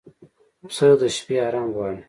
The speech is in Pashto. پسه د شپه آرام غواړي.